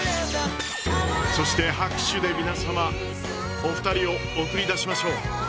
そして拍手で皆様お二人を送り出しましょう。